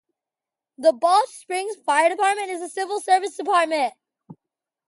The Balch Springs Fire Department is a civil service department.